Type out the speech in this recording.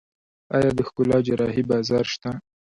آیا د ښکلا جراحي بازار شته؟